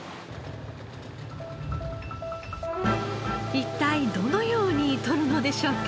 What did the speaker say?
一体どのように獲るのでしょうか？